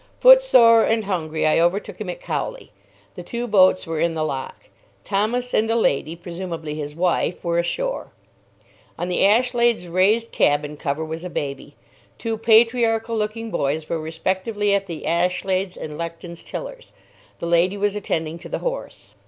Footsore and hungry, I overtook him at Cowley. The two boats were in the lock. Thomas and a lady, presumably his wife, were ashore. On the Ashlade's raised cabin cover was a baby. Two patriarchal looking boys were respectively at the Ashlade's and Lechton's tillers. The lady was attending to the horse.